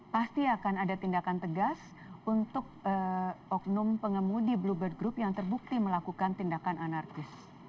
pasti akan ada tindakan tegas untuk oknum pengemudi bluebird group yang terbukti melakukan tindakan anarkis